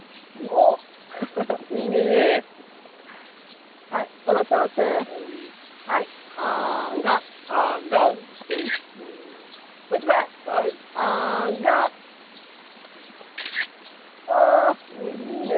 おいいね！